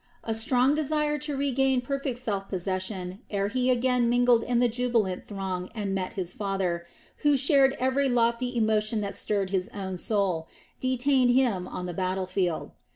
A strong desire to regain perfect self possession ere he again mingled in the jubilant throng and met his father, who shared every lofty emotion that stirred his own soul, detained him on the battle field.